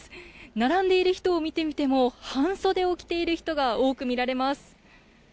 並んでいる人を見てみても半袖を着ている人が多く見られます。